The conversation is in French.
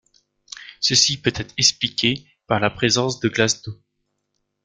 Ceci peut être expliqué par la présence de glace d'eau.